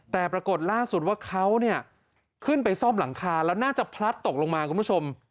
แต่ปรากฏล่าสุดว่าเขาเนี่ยขึ้นไปซ่อมหลังคาแล้วน่าจะพลัดตกลงมาคุณผู้ชม